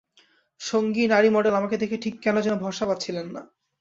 সঙ্গী নারী মডেল আমাকে দেখে ঠিক কেন যেন ভরসা পাচ্ছিলেন না।